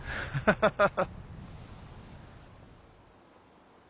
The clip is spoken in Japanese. ハハハハ。